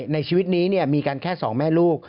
ในชีวิตนี้มีกันแค่๒แม่ลูก